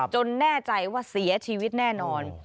แน่ใจว่าเสียชีวิตแน่นอน